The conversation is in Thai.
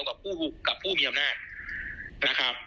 พวกเข้าทางกว้างพวกกับผู้มีอำนาจ